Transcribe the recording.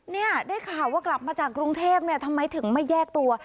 เนี่ยได้ข่าวว่ากลับมาจากกรุงเทพเนี่ยทำไมถึงไม่แยกตัว